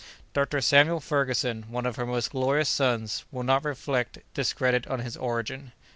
"Dr. Samuel Ferguson, one of her most glorious sons, will not reflect discredit on his origin."